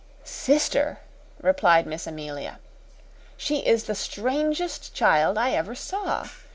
"Sister," replied Miss Amelia, "she is the strangest child I ever saw.